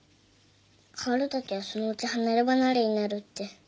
薫たちはそのうち離れ離れになるって。